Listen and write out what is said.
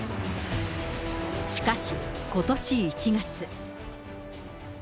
しかし、ことし１月。